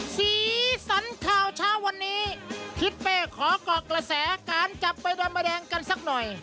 สีสันข่าวเช้าวันนี้ทิศเป้ขอเกาะกระแสการจับใบดอนใบแดงกันสักหน่อย